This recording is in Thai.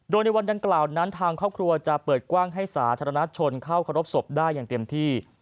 โดยในวันดังกล่าวนั้นทางครอบครัวจะเปิดกว้างให้สาธารณชนเข้าเคารพศพได้อย่างเต็มที่